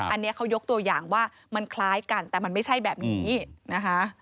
อันนี้เขายกตัวอย่างว่ามันคล้ายกันแต่มันไม่ใช่แบบนี้นะคะ